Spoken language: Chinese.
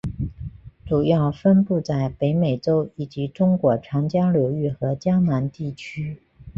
主要分布在北美洲以及中国长江流域和江南地区。